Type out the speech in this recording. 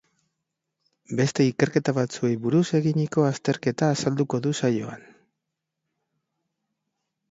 Beste ikerketa batzuei buruz eginiko azterketa azalduko du saioan.